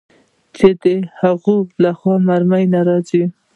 چې د هغوى له خوا مرمۍ نه راځي.